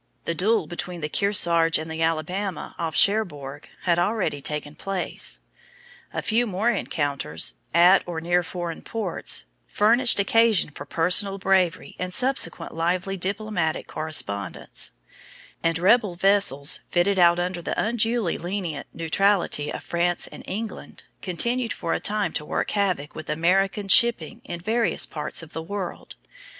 The duel between the Kearsarge and the Alabama off Cherbourg had already taken place; a few more encounters, at or near foreign ports, furnished occasion for personal bravery and subsequent lively diplomatic correspondence; and rebel vessels, fitted out under the unduly lenient "neutrality" of France and England, continued for a time to work havoc with American shipping in various parts of the world.